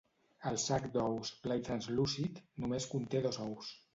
El sac d'ous, pla i translúcid, només conté dos ous.